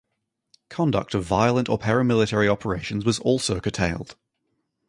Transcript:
Conduct of violent or para-military operations was also curtailed.